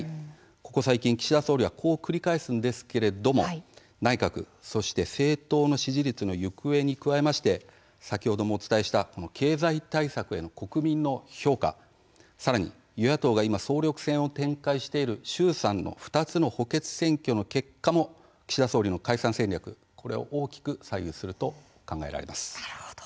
ここ最近、岸田総理はこう繰り返すんですけれども内閣そして政党の支持率の行方に加えまして先ほどもお伝えした経済対策への国民の評価さらに与野党が今総力戦を展開している衆参の２つの補欠選挙の結果も岸田総理の解散戦略、これを大きく左右すると考えられます。